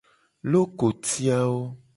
Lokoti awo.